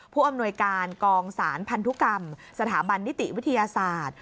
ผู้อำนวยการกองสารพันธุกรรมสถาบันนิติวิทยาศาสตร์